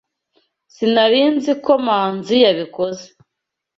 Sinari nzi ko Manzi yabikoze.